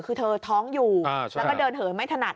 คือเธอท้องอยู่แล้วก็เดินเหินไม่ถนัด